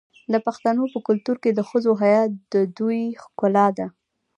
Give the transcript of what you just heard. د پښتنو په کلتور کې د ښځو حیا د دوی ښکلا ده.